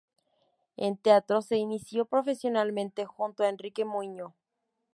En teatro se inició profesionalmente junto a Enrique Muiño.